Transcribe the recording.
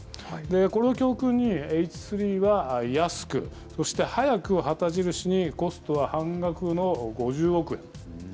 これを教訓にＨ３は安く、そして早くを旗印にコストは半額の５０億円。